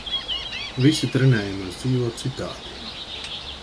Visi trenējamies dzīvot citādi.